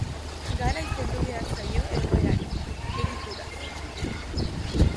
Garaiz heldu behar zaio egoerari, egituraz.